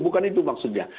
bukan itu maksudnya